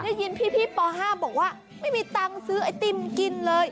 ได้ยินพี่ป๕บอกว่าไม่มีตังค์ซื้อไอติมกินเลย